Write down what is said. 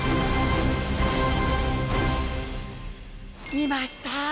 いました。